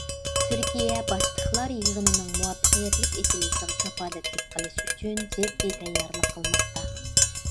تۈركىيە باشلىقلار يىغىنىنىڭ مۇۋەپپەقىيەتلىك ئېچىلىشىغا كاپالەتلىك قىلىش ئۈچۈن، جىددىي تەييارلىق قىلماقتا.